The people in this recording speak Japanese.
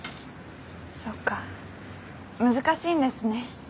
そっか難しいんですね。